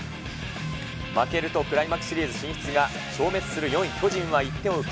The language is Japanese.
負けるとクライマックスシリーズ進出が消滅する４位、巨人は１点を追う